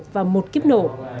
và một kiếp nổ